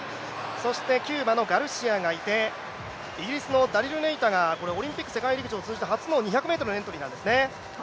そして、キューバのガルシアがいてイギリスのダリル・ネイタがオリンピック、世界陸上通じて初の２００ｍエントリーなんですね。